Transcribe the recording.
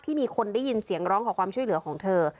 มีคนได้ยินเสียงร้องขอความช่วยเหลือของเธอ